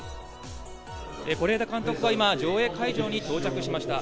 是枝監督が今、上映会場に到着しました。